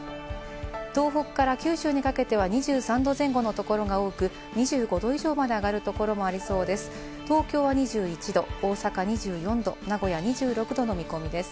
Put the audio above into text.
東北から九州にかけては２３度前後のところが多く、２５度以上まで上がるところもありそうです。